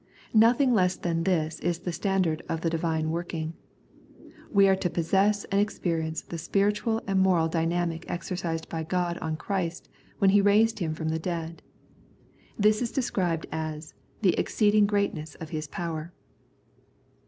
Nothing less than this is the standard of the Divine working. We are to possess and ex perience the spiritual and moral dynamic exercised by God on Christ when He raised Him from the dead. This is described as " the exceeding greatness of His power."